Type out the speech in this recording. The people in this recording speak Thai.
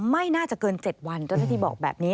ไม่น่าจะเกิน๗วันเจ้าหน้าที่บอกแบบนี้